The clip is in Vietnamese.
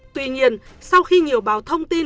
tuy nhiên sau khi nhiều báo thông tin